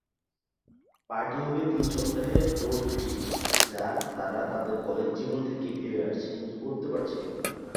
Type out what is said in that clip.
Party হবে তিন সপ্তাহের রোড ট্রিপ যা তারা তাদের কলেজ জীবন থেকেই ভেবে আসছে কিন্তু করতে পারছিল না।